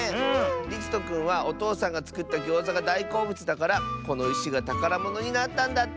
りつとくんはおとうさんがつくったギョーザがだいこうぶつだからこのいしがたからものになったんだって！